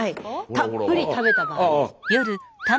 たっぷり食べた場合。